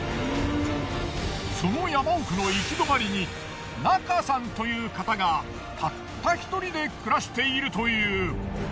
その山奥の行き止まりに中さんという方がたった一人で暮らしているという。